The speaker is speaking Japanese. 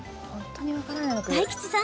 大吉さん